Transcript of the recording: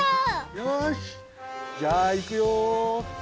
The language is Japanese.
よしじゃあいくよ。